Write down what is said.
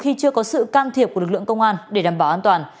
khi chưa có sự can thiệp của lực lượng công an để đảm bảo an toàn